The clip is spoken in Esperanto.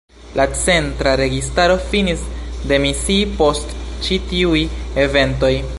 La centra registaro finis demisii post ĉi tiuj eventoj.